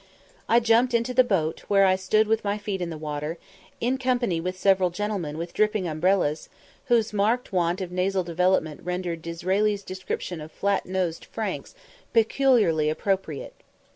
I jumped into the boat, where I stood with my feet in the water, in company with several gentlemen with dripping umbrellas, whose marked want of nasal development rendered Disraeli's description of "flat nosed Franks" peculiarly appropriate.